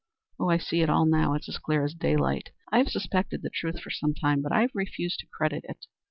Oh, I see it all now; it's clear as daylight. I've suspected the truth for some time, but I've refused to credit it.